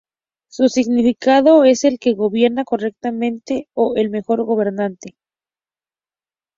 Su significado es "el que gobierna correctamente" o "el mejor gobernante".